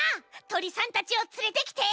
とりさんたちをつれてきて！